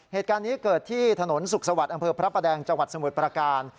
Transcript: เหตุการณ์นี้เกิดที่ถนนสุขสวัสดิ์อำเภอพระประแดงจังหวัดสมุทรประการ